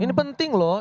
ini penting loh